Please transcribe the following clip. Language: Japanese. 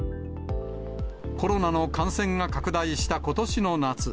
コロナの感染が拡大したことしの夏。